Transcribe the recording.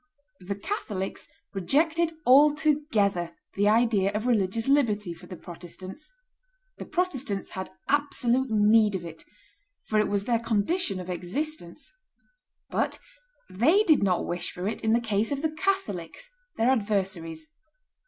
The Catholics rejected altogether the idea of religious liberty for the Protestants; the Protestants had absolute need of it, for it was their condition of existence; but they did not wish for it in the case of the Catholics, their adversaries.